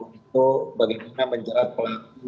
untuk bagaimana menjelaskan